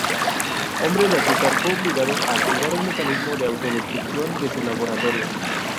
Hombre de Azúcar fue obligado a activar el mecanismo de autodestrucción en su laboratorio.